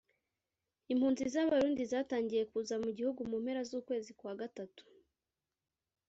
Impunzi z’Abarundi zatangiye kuza mu gihugu mu mpera z’ukwezi kwa Gatatu